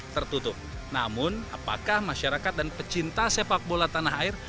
tertutup namun apakah masyarakat dan pecinta sepak bola tanah air